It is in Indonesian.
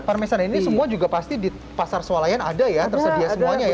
parmesan ini semua juga pasti di pasar sualayan ada ya tersedia semuanya ya